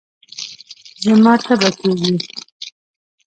زما تبه کېږي